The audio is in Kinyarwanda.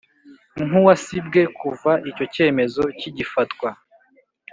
Nk uwasibwe kuva icyo cyemezo kigifatwa